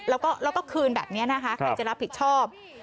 แล้วก็คืนแบบนี้นะคะใครจะรับผิดชอบ